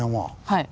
はい。